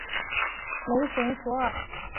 雷神索尔。